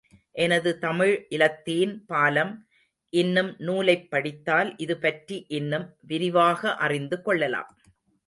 எனது தமிழ் இலத்தீன் பாலம் என்னும் நூலைப் படித்தால் இது பற்றி இன்னும், விரிவாக அறிந்து கொள்ளலாம்.